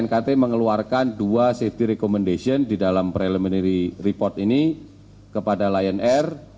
knkt mengeluarkan dua safety recommendation di dalam preliminary report ini kepada lion air